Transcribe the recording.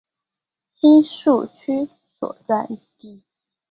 新宿区所在地。